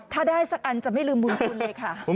ถ้าได้สักอันจะไม่ลืมบุญคุณเลยค่ะ